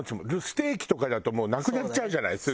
ステーキとかだとなくなっちゃうじゃないすぐ。